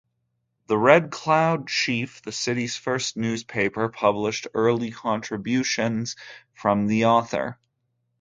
The "Red Cloud Chief", the city's first newspaper, published early contributions from the author.